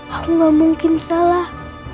aku gak mungkin salah